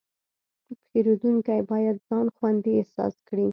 پیرودونکی باید ځان خوندي احساس کړي.